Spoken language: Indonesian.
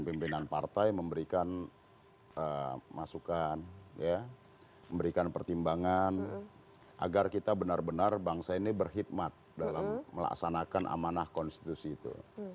pimpinan partai memberikan masukan memberikan pertimbangan agar kita benar benar bangsa ini berkhidmat dalam melaksanakan amanah konstitusi itu